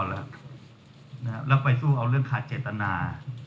แล้วไปสู้เอาเรื่องขาดเจตนา